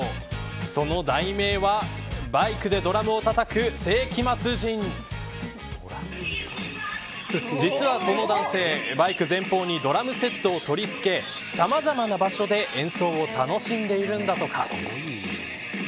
その題名はバイクでドラムを叩く世紀末人実はこの男性バイク前方にドラムセットを取り付けさまざまな場所で演奏を楽しんでいるのだとか。